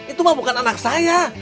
itu mah bukan anak saya